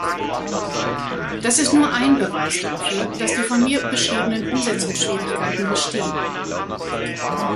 Das ist nur ein Beweis dafür, dass die von mir beschriebenen Umsetzungsschwierigkeiten bestehen.